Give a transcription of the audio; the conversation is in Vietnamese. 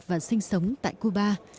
và sinh sống tại cuba